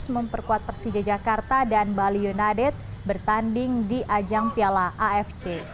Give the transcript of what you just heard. memperkuat persija jakarta dan bali united bertanding di ajang piala afc